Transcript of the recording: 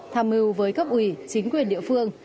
tham mưu với cấp ủy chính quyền địa phương